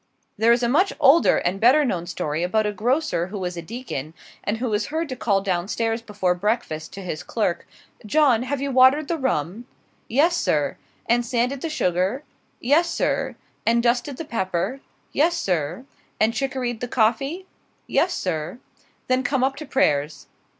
There is a much older and better known story about a grocer who was a deacon, and who was heard to call down stairs before breakfast, to his clerk: "John, have you watered the rum?" "Yes, Sir." "And sanded the sugar?" "Yes, Sir." "And dusted the pepper?" "Yes, Sir." "And chicoried the coffee?" "Yes, Sir." "Then come up to prayers."